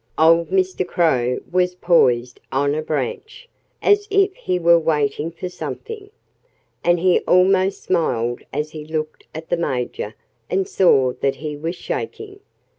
Old Mr. Crow was poised on a branch, as if he were waiting for something. And he almost smiled as he looked at the Major and saw that he was shaking.